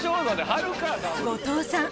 後藤さん